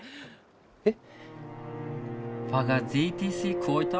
えっ？